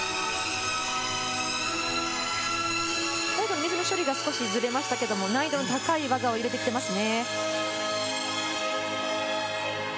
水の処理が少しずれましたけれど、難易度の高い技を入れてきていますね。